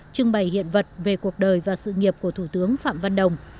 trưng bày hiện vật về cuộc đời và sự nghiệp của thủ tướng phạm văn đồng